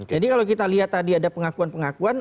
jadi kalau kita lihat tadi ada pengakuan pengakuan